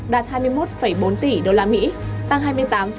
đạt hai mươi một bốn tỷ usd tăng hai mươi tám tám so với năm hai nghìn hai mươi